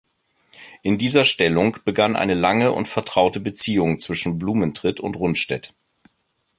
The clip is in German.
In dieser Stellung begann eine lange und vertraute Beziehung zwischen Blumentritt und Rundstedt.